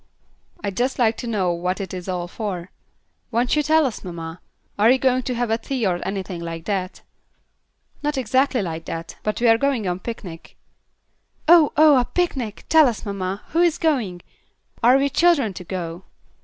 "I'd just like to know what it is all for. Won't you tell us, mamma? Are you going to have a tea or anything like that?" "Not exactly like that; but we are going on a picnic." "Oh! oh! a picnic! Tell us, mamma. Who is going? Are we children to go?"